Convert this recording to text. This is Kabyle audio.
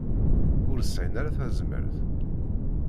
Ur sɛin ara tazmert.